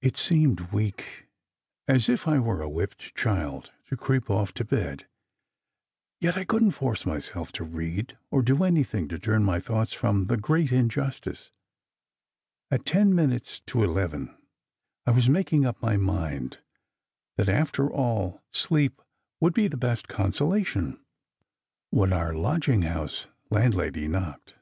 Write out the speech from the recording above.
It seemed weak, as if I were a whipped child, to creep off to bed, yet I couldn t force myself to read, or do anything to turn my thoughts from the great injustice. At ten minutes to eleven I was making up my mind that, after all, SECRET HISTORY 37 sleep would be the best consolation, when our lodging house landlady knocked.